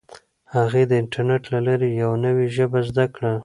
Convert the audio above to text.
هغې د انټرنیټ له لارې یوه نوي ژبه زده کړه.